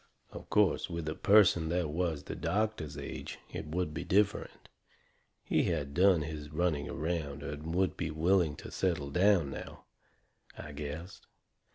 Of course, with a person that was the doctor's age it would be different. He had done his running around and would be willing to settle down now, I guessed.